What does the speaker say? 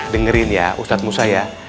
dengerin ya ustadz musa ya